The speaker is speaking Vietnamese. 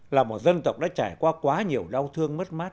là một dân tộc đã trải qua quá nhiều đau thương mất mát